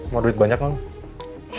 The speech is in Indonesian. mau duit banyak mah lo